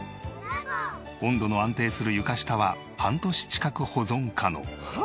温度の安定する床下は半年近く保存可能。